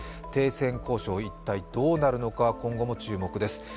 停戦交渉、一体どうなるのか、今後も注目です。